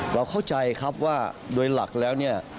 เราเข้าใจครับว่าโดยหลักแล้วเนี่ย